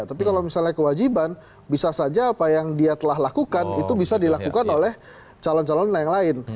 tapi kalau misalnya kewajiban bisa saja apa yang dia telah lakukan itu bisa dilakukan oleh calon calon yang lain